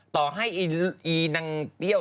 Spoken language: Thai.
ต่อให้อีนางเปรี้ยว